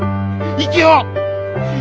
生きよう！